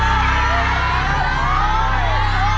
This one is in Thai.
โทษโทษโทษ